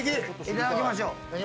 いただきましょう。